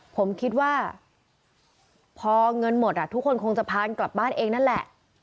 ผมคิดว่าพอเงินหมดทุกคนคงจะพากลับบ้านเองนั่นแหละ